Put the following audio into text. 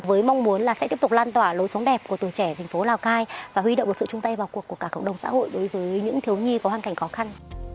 với mong muốn là sẽ tiếp tục lan tỏa lối sống đẹp của tuổi trẻ thành phố lào cai và huy động một sự chung tay vào cuộc của cả cộng đồng xã hội đối với những thiếu nhi có hoàn cảnh khó khăn